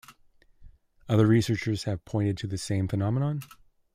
Other researchers have pointed to the same phenomenon.